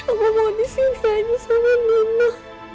aku mau disini aja sama nino